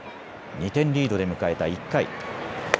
２点リードで迎えた１回。